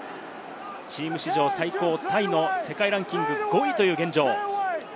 チーム史上最高タイの世界ランキング５位という現状。